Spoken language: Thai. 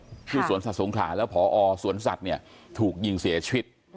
ที่สวนสัตว์สงขลาแล้วพอสวนสัตว์เนี่ยถูกยิงเสียชีวิต